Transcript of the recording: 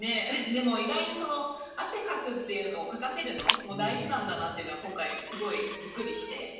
でも意外に汗かくっていうのをかかせるのも大事なんだなっていうのは今回すごいびっくりして。